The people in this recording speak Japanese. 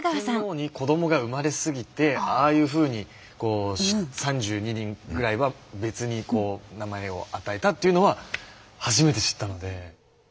天皇に子供が生まれ過ぎてああいうふうに３２人ぐらいは別に名前を与えたというのは初めて知ったので。